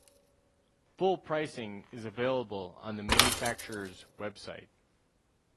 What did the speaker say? Full pricing is available on the manufacturer's website.